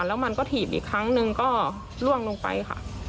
แล้วมันก็ถีบอีกครั้งหนึ่งก็ล่วงลงไปค่ะ